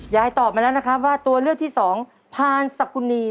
ยายตอบมาแล้วนะครับว่าตัวเลือกที่สองพานสกุณี